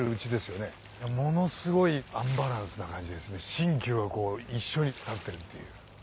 新旧が一緒になってるっていう。